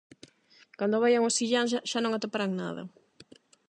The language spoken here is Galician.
Cando vaian os illáns xa non atoparán nada...